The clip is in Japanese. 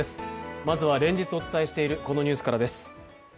まずは連日お伝えしているこのニュースからです。